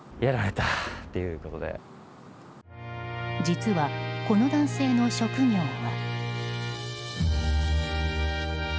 実は、この男性の職業は。